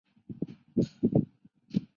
只有不锈钢型。